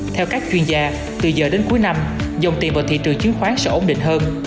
theo các chuyên gia từ giờ đến cuối năm dòng tiền vào thị trường chứng khoán sẽ ổn định hơn